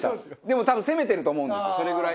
でも多分攻めてると思うんですよそれぐらい。